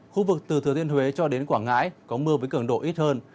khu vực từ thừa thiên huế cho đến quảng ngãi có mưa với cường độ ít hơn